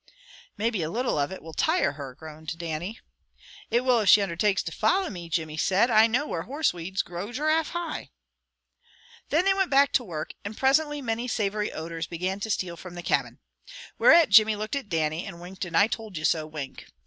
"Maybe a little of it will tire her," groaned Dannie. "It will if she undertakes to follow me," Jimmy said. "I know where horse weeds grow giraffe high." Then they went back to work, and presently many savory odors began to steal from the cabin. Whereat Jimmy looked at Dannie, and winked an 'I told you so' wink.